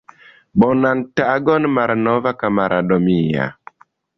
Bonan tagon, malnova kamarado mia!